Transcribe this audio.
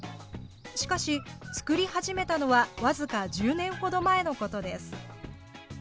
しかし、作り始めたのは僅か１０年ほど前のことです。